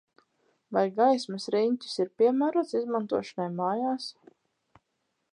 Vai gaismas riņķis ir piemērots izmantošanai mājās?